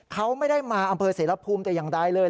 เขาไม่ได้มาอำเภอเสรภูมิแต่อย่างใดเลย